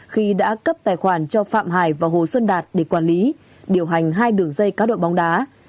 khi đã cấp tài khoản cho phạm hải và hồ xuân đạt để quản lý điều hành hai đường dây cá độ bóng đá